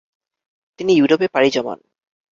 তিনি ইউরোপে পাড়ি জমান।